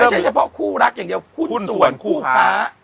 เฉพาะคู่รักอย่างเดียวหุ้นส่วนคู่ค้า